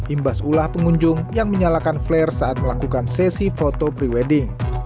imbas ulah pengunjung yang menyalakan flare saat melakukan sesi foto pre wedding